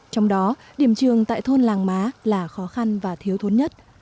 trong đó điểm trường tại thôn làng má là khó khăn và thiếu thốn nhất